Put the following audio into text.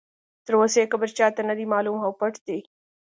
تر اوسه یې قبر چا ته نه دی معلوم او پټ دی.